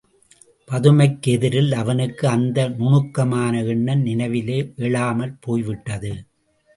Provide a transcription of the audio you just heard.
பதுமைக்கு எதிரில் அவனுக்கு அந்த நுணுக்கமான எண்ணம் நினைவிலே எழாமற் போய்விட்டது.